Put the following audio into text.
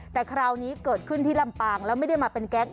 แต่คราวนี้เกิดขึ้นที่ลำปางแล้วไม่ได้มาเป็นแก๊ง